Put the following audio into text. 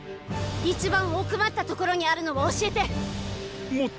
一番奥まった所にあるのを教えてっ！